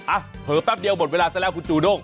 เผลอแป๊บเดียวหมดเวลาซะแล้วคุณจูด้ง